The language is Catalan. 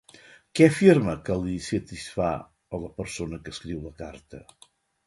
Què afirma que li satisfà, a la persona que escriu la carta?